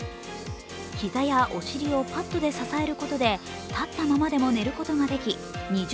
膝やお尻をパットで支えることで立ったままでも寝ることができ２０